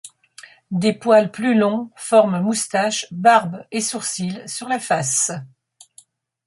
Des poils plus longs forment moustaches, barbe et sourcil sur la face.